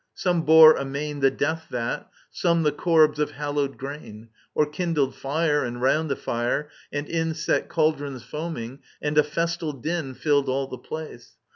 Some bore amain The death vat, some the corbs of hallowed grain ; Or kindled fire, and round the fire and in Set cauldrons foaming ; and a festal din Filled all the place.